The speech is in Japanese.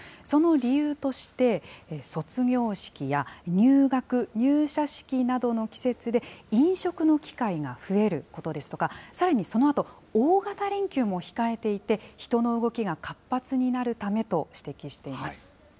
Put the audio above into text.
その理由として、卒業式や入学・入社式などの季節で、飲食の機会が増えることですとか、さらにそのあと、大型連休も控えていて、人の動きが活発になるためと指摘しています。